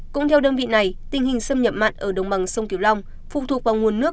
cũng theo đơn vị này tình hình xâm nhập mặn ở đồng bằng sông kiều long phụ thuộc vào nguồn nước